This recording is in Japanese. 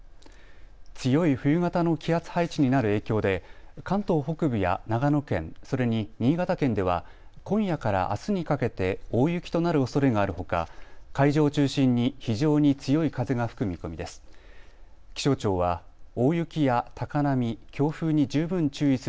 強い冬型の気圧配置になる影響で関東北部や長野県、それに新潟県では今夜からあすにかけて大雪となるおそれがあるほか海上を中心に非常に強い風が吹く見込みです。